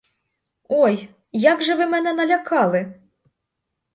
Ой, як же ви мене налякали!